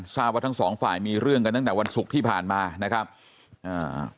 ทราบว่าทั้งสองฝ่ายมีเรื่องกันตั้งแต่วันศุกร์ที่ผ่านมานะครับอ่า